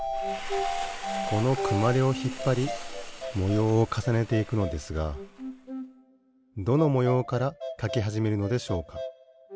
このくまでをひっぱりもようをかさねていくのですがどのもようからかきはじめるのでしょうか？